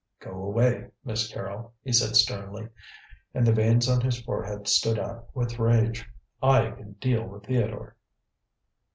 "Go away, Miss Carrol," he said sternly, and the veins on his forehead stood out with rage. "I can deal with Theodore."